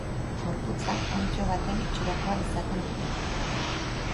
Gorputza onddo baten itxurakoa izaten dute.